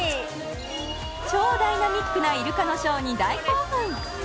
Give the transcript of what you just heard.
超ダイナミックなイルカのショーに大興奮！